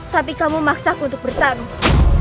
tapi kamu memaksaku untuk bertarung